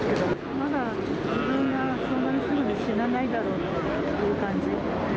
まだ自分が、そんなにすぐに死なないだろうっていう感じで。